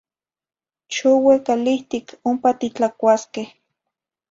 Choue calihtic, ompa titlacuasqueh